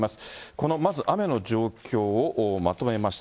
このまず雨の状況をまとめました。